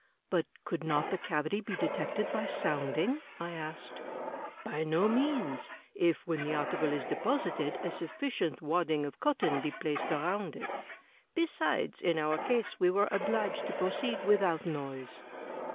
"But could not the cavity be detected by sotmding?" I asked. "By no means, if, when the article is deposited, a sufficient wad CLOSE OBSERVATION 133 ding of cotton be placed around it. Besides, in our case, we were obliged to proceed without noise."